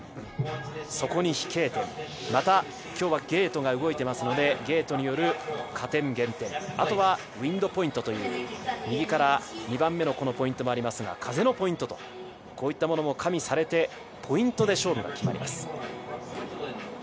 そこに飛型点、また今日はゲートが動いていますのでゲートによる加点・減点、あとはウインドポイントという、右から２番目のポイントもありますが風のポイントと、こういったものも加味されて、ポイントで勝負が決まります。